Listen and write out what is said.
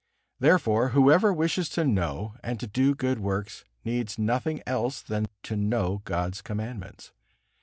Therefore whoever wishes to know and to do good works needs nothing else than to know God's commandments.